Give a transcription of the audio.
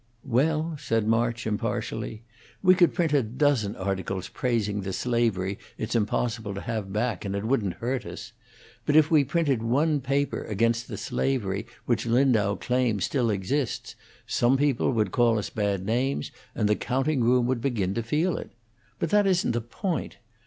"Well," said March, impartially, "we could print a dozen articles praising the slavery it's impossible to have back, and it wouldn't hurt us. But if we printed one paper against the slavery which Lindau claims still exists, some people would call us bad names, and the counting room would begin to feel it. But that isn't the point.